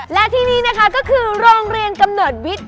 และที่นี่นะคะก็คือโรงเรียนกำเนิดวิทย์